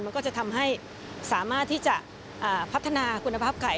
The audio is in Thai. มันก็จะทำให้สามารถที่จะพัฒนาคุณภาพไข่